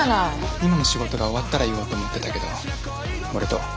今の仕事が終わったら言おうと思ってたけど俺と。